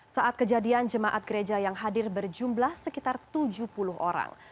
saat kejadian jemaat gereja yang hadir berjumlah sekitar tujuh puluh orang